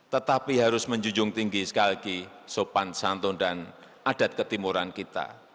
tetapi harus menjunjung tinggi sekali lagi sopan santun dan adat ketimuran kita